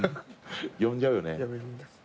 呼んじゃうよね。